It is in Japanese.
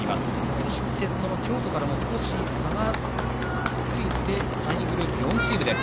そして、京都から少し差がついて３位グループ、４チームです。